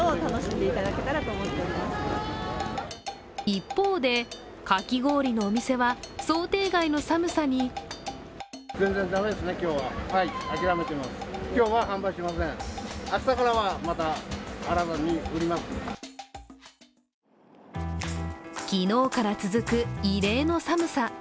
一方で、かき氷のお店は想定外の寒さに昨日から続く異例の寒さ。